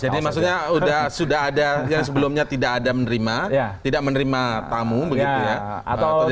jadi maksudnya sudah ada yang sebelumnya tidak ada menerima tidak menerima tamu begitu ya